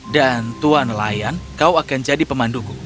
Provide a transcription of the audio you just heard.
dan tuan layan kau akan jadi pemanduku